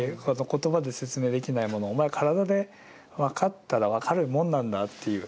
言葉で説明できないものをお前体で分かったら分かるもんなんだっていう。